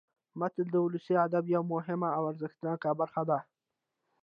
متل د ولسي ادب یوه مهمه او ارزښتناکه برخه ده